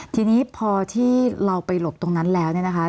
ทีนี้พอที่เราไปหลบตรงนั้นแล้วเนี่ยนะคะ